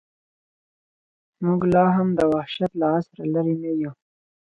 موږ لا هم د وحشت له عصره لرې نه یو.